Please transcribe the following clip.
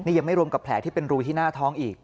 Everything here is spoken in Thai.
ยังไม่รวมกับแผลที่เป็นรูที่หน้าท้องอีก